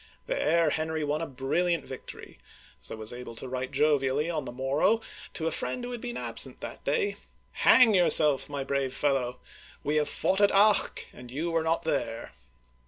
There, Henry won a brilliant victory, so was able to write jovially on the morrow to a friend who had been absent that day :" Hang yourself, my brave fellow ; we have fought at Arques, and you were not there